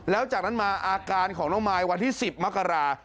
แล้วจากนั้นมาอาการของน้องมายวันที่๑๐มกรา